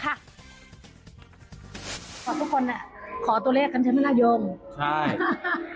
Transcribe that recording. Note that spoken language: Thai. ทุกคนนะขอตัวเลขนะชนัลนายง